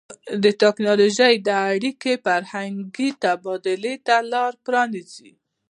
د ټیکنالوژۍ دا اړیکې فرهنګي تبادلې ته لار پرانیزي.